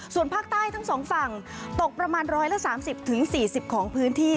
ส่วนภาคใต้ทั้งสองฝั่งตกประมาณ๑๓๐๔๐ของพื้นที่